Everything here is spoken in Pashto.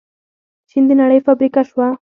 چین د نړۍ فابریکه شوه.